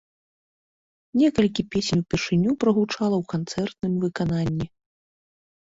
Некалькі песень упершыню прагучалі ў канцэртным выкананні.